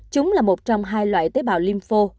chúng là một trong hai loại tế bào lympho